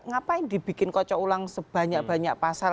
ngapain dibikin kocok ulang sebanyak banyak pasal